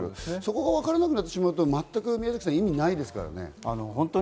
そこがわからなくなってしまうと全く意味ないですからね。